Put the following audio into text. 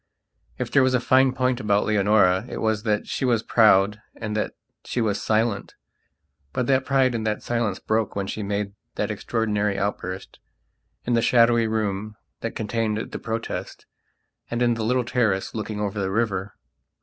If there was a fine point about Leonora it was that she was proud and that she was silent. But that pride and that silence broke when she made that extraordinary outburst, in the shadowy room that contained the Protest, and in the little terrace looking over the river.